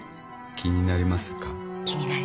気になりますね。